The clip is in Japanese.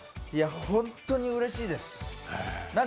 本当にうれしいです。